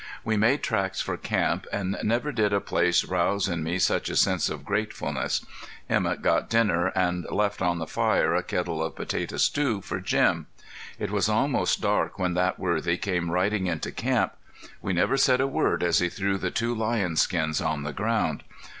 We made tracks for camp, and never did a place rouse in me such a sense of gratefulness. Emett got dinner and left on the fire a kettle of potato stew for Jim. It was almost dark when that worthy came riding into camp. We never said a word as he threw the two lion skins on the ground.